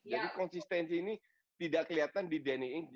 jadi konsisten ini tidak kelihatan di danny ings